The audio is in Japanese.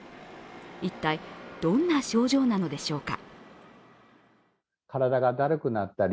一体、どんな症状なのでしょうか。